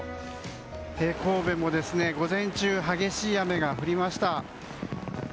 神戸も、午前中激しい雨が降りました。